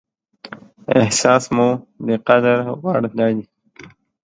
احساس مو د قدر وړ دى.